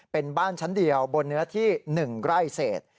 เป็นบ้านชั้นเดียวบนเนื้อที่๑ไร่เศษ